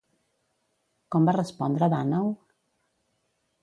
Com va respondre Dànau?